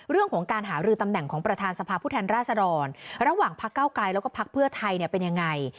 เรื่องของการหารือตำแหน่งของประธานสภาพผู้แทนราษฎรระหว่างพักเก้าไกลแล้วก็พักเพื่อไทยเป็นยังไง